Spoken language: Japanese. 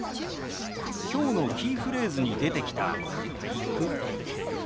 きょうのキーフレーズに出てきた「行く」。